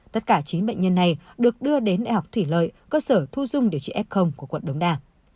tất cả chín bệnh nhân này được đưa đến đại học thủy lợi cơ sở thu dung điều trị f của quận đống đa